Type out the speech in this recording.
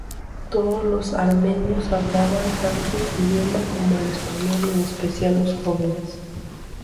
Todos los armenios hablaban tanto su idioma como el español, en especial los jóvenes.